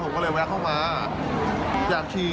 ผมก็เลยแวะเข้ามาอยากฉีดอยากฉีด